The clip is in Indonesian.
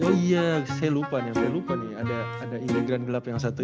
oh iya saya lupa nih ada imigran gelap yang satu ini